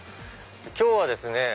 今日はですね